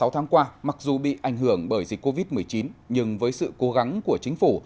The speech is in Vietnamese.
sáu tháng qua mặc dù bị ảnh hưởng bởi dịch covid một mươi chín nhưng với sự cố gắng của chính phủ